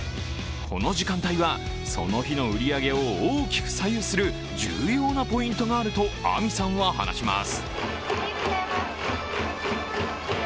この時間帯はその日の売り上げを大きく左右する重要なポイントがあるとあみさんは話します。